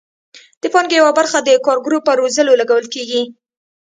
د پانګې یوه برخه د کارګرو په روزلو لګول کیږي.